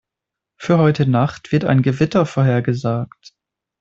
Für heute Nacht wird ein Gewitter vorhergesagt.